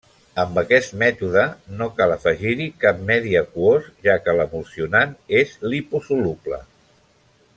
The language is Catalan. Amb aquest mètode no cal afegir-hi cap medi aquós, ja que l'emulsionant és liposoluble.